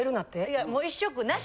いやもう１食なし。